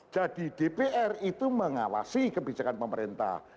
jadi dpr itu mengawasi kebijakan pemerintah